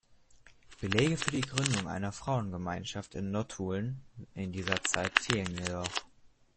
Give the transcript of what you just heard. Belege für die Gründung einer Frauengemeinschaft in Nottuln in dieser Zeit fehlen jedoch.